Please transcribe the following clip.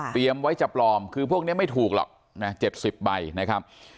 เตรียมไว้จะปลอมคือพวกเนี้ยไม่ถูกหรอกน่ะเจ็ดสิบใบนะครับ